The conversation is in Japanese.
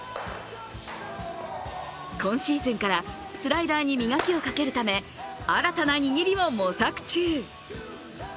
今シーズンからスライダーに磨きをかけるため新たな握りを模索中。